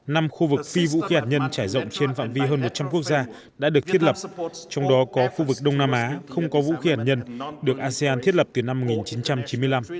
năm khu vực phi vũ khí hạt nhân trải rộng trên phạm vi hơn một trăm linh quốc gia đã được thiết lập trong đó có khu vực đông nam á không có vũ khí hắt nhân được asean thiết lập từ năm một nghìn chín trăm chín mươi năm